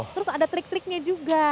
terus ada trik triknya juga